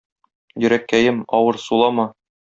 Йөрәккәем, авыр сулама.